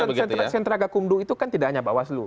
semangat sentra keakumdu itu kan tidak hanya bawas slu